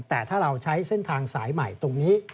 แต่ถ้าเราใช้เส้นทางสายใหม่ตรงนี้